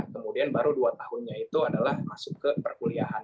kemudian baru dua tahunnya itu adalah masuk ke perkuliahan